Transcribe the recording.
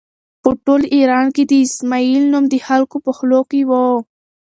په ټول ایران کې د اسماعیل نوم د خلکو په خولو کې و.